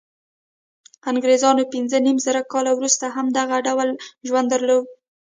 انګرېزانو پنځه نیم زره کاله وروسته هم دغه ډول ژوند درلود.